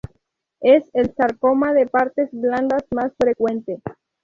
Es el sarcoma de partes blandas más frecuente.